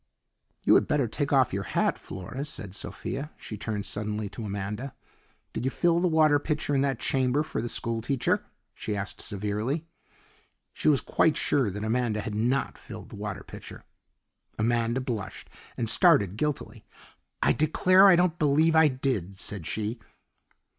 "You had better take off your hat, Flora," said Sophia. She turned suddenly to Amanda. "Did you fill the water pitcher in that chamber for the schoolteacher?" she asked severely. She was quite sure that Amanda had not filled the water pitcher. Amanda blushed and started guiltily. "I declare, I don't believe I did," said she.